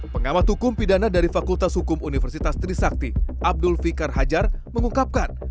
pengamat hukum pidana dari fakultas hukum universitas trisakti abdul fikar hajar mengungkapkan